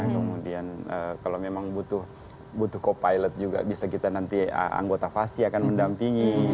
kemudian kalau memang butuh co pilot juga bisa kita nanti anggota fasi akan mendampingi